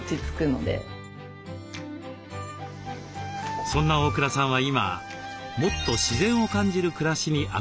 そんな大倉さんは今もっと自然を感じる暮らしに憧れています。